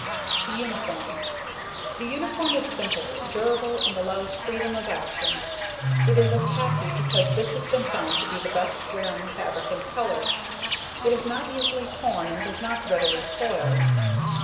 The Uniform. The uniform is simple, durable and allows freedom of action. It is of khaki because this has been found to be the best wearing fabric and color. It is not easily torn and does not readily soil.